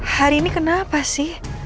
hari ini kenapa sih